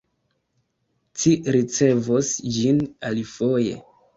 Ci ricevos ĝin alifoje.